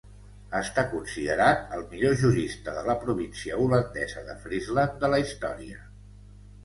Està considerat el millor jurista de la província holandesa de Friesland de la història.